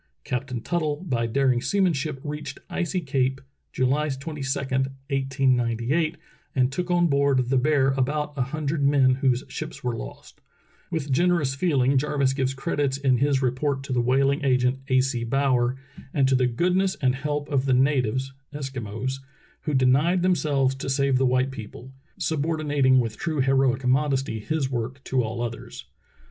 Captain Tuttle by daring seamanship reached Icy Cape July 22, 1898, and took on board the Bear about a hundred men whose ships were lost. With generous feeling Jarvis gives credit in his re Relief of American Whalers at Point Barrow 291 port to the whaling agent, A. C. Brower, and to "the goodness and help of the natives [Eskimos], who denied themselves to save the white people," subordinating with true heroic modesty his work to all others.